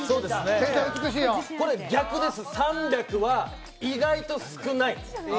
これは逆です、３００は意外と少ない。